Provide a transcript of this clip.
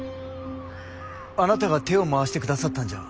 あなたが手を回して下さったんじゃ？